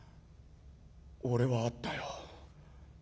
俺はあったよ。